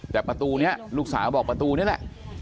แต่ประตูนี้ลูกสาวบอกประตูนี้แหละ